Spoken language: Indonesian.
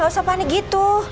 tidak usah panik gitu